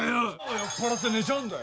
酔っぱらって寝ちゃうんだよ